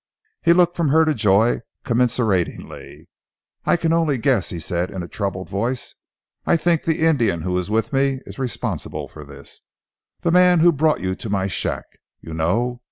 He looked from her to Joy commiseratingly. "I can only guess," he said in a troubled voice. "I think the Indian who was with me is responsible for this, the man who brought you to my shack you know.